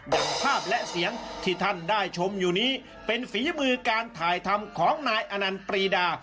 อย่างภาพและเสียงที่ท่านได้ชมอยู่นี้เป็นฝีมือการถ่ายทำของนายอนันต์ปรีดา